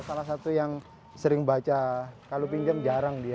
salah satu yang sering baca kalau pinjam jarang dia